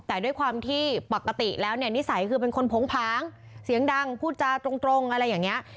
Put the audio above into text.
แต่ด้วยความที่ปกติแล้วเนี่ยนิสัยคือเป็นคนโผงผางเสียงดังพูดจาตรงอะไรอย่างนี้